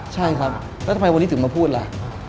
ใช่ครับแล้วทำไมวันนี้ถึงมาพูดล่ะ